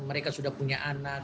mereka sudah punya anak